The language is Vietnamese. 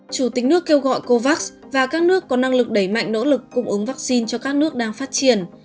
chủ tịch nước kêu gọi covax và các nước có năng lực đẩy mạnh nỗ lực cung ứng vaccine cho các nước đang phát triển